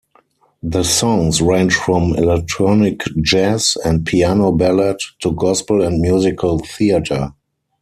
The songs range from electronic jazz and piano ballad to gospel and musical theater.